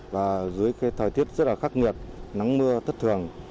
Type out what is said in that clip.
và dưới cái thời tiết rất là khắc nghiệt nắng mưa thất thường